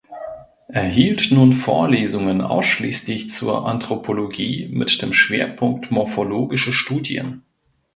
Er hielt nun Vorlesungen ausschließlich zur Anthropologie mit dem Schwerpunkt morphologische Studien.